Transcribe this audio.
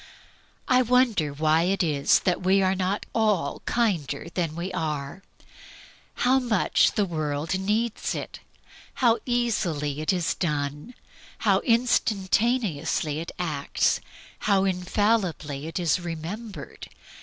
I wonder why it is that we are not all kinder than we are? How much the world needs it! How easily it is done! How instantaneously it acts! How infallibly it is remembered!